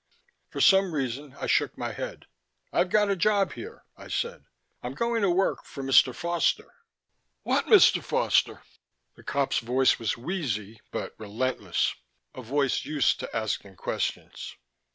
For some reason I shook my head. "I've got a job here," I said. "I'm going to work for Mr. Foster." "What Mr. Foster?" The cop's voice was wheezy, but relentless; a voice used to asking questions.